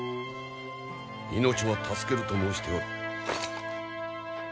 命は助けると申しておる。